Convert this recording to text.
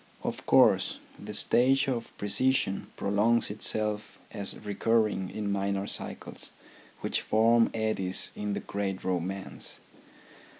Of course, the stage of precision prolongs itself as recurring in minor cycles which form eddies in the great romance.